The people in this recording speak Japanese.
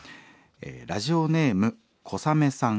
ラジオネーム小雨さん。